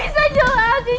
jadi gue bisa jelasin